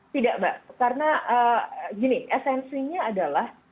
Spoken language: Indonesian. tidak mbak karena gini esensinya adalah